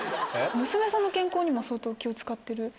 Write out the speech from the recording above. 娘さんの健康にも相当気を使ってる？